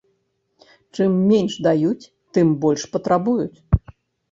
Чым менш даюць, тым больш патрабуюць.